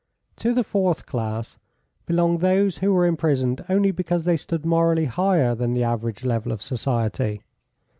To the fourth class belonged those who were imprisoned only because they stood morally higher than the average level of society.